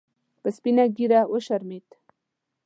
په سپینه ګیره وشرمید